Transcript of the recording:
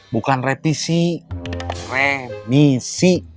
bukan repisi remisi